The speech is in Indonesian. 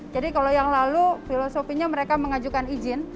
jadi kalau yang lalu filosofinya mereka mengajukan izin